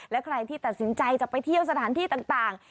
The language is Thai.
และใครที่ตัดสินใจจะไปเที่ยวสถานที่ต่าง